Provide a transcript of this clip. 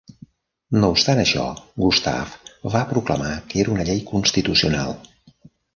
No obstant això, Gustav va proclamar que era una llei constitucional.